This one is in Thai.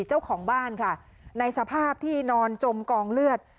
เจ้าของบ้านค่ะในสภาพที่นอนจมกองเลือด